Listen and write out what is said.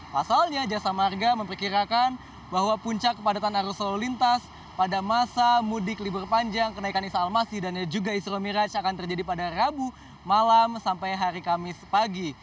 pasalnya jasa marga memperkirakan bahwa puncak kepadatan arus lalu lintas pada masa mudik libur panjang kenaikan isa al masih dan juga isro miraj akan terjadi pada rabu malam sampai hari kamis pagi